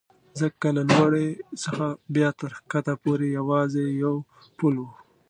ځکه له لوړې څخه بیا تر کښته پورې یوازې یو پل و.